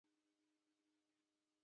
په هند کې ځینې نورې کلاګانې هم وې.